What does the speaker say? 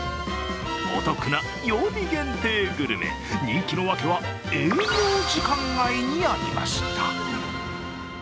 お得な曜日限定グルメ、人気の訳は営業時間外にありました。